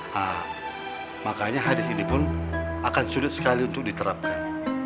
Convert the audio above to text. nah makanya hadis ini pun akan sulit sekali untuk diterapkan